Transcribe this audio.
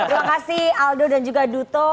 terima kasih aldo dan juga duto